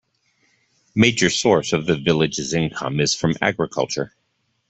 Major source of the village's income is from agriculture.